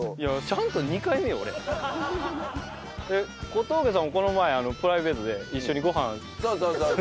小峠さんもこの前プライベートで一緒にご飯行く機会あって。